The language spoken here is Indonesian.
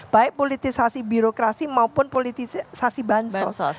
baik politisasi birokrasi maupun politisasi bansos